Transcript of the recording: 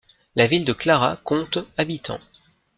La ville de Clara compte habitants.